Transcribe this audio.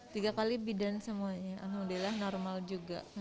tiga kali bidan semuanya alhamdulillah normal juga